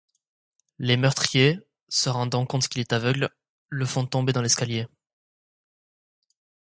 Les meurtriers, se rendant compte qu'il est aveugle, le font tomber dans l'escalier.